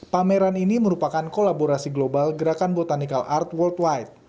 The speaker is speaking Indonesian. pameran ini merupakan kolaborasi global gerakan botanical art worldwide